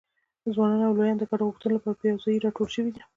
ځوانان او لویان د ګډو غوښتنو لپاره په یوځایي راټول شوي دي.